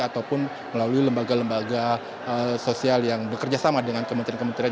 ataupun melalui lembaga lembaga sosial yang bekerja sama dengan kementerian kementerian